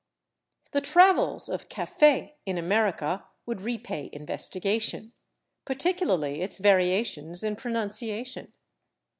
The travels of /café/ in America would repay investigation; particularly its variations in pronunciation.